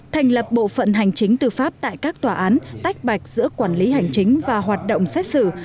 thành lập bộ phận hành chính tư pháp tại các tòa án tách bạch giữa quản lý hành chính và hoạt động xét xử